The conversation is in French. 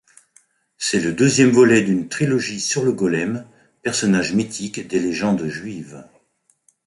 C'est le deuxième volet d'une trilogie sur le golem, personnage mythique des légendes juives.